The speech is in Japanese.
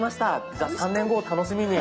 じゃあ３年後を楽しみに。